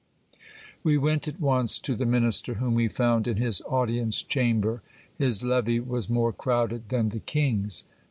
We went at once to the minister, whom we found in his audience chamber. His levee was more crowded than the king's.